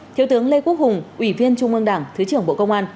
thiếu tướng lê quốc hùng ủy viên trung ương đảng thứ trưởng bộ công an